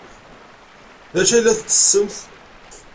D acu ay la tettessemt?